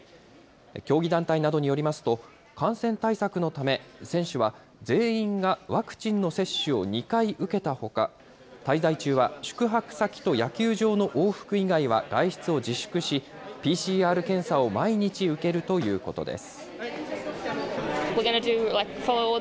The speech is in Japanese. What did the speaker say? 競技団体などによりますと、感染対策のため、選手は全員がワクチンの接種を２回受けたほか、滞在中は宿泊先と野球場の往復以外は外出を自粛し、ＰＣＲ検査を毎日受けるということです。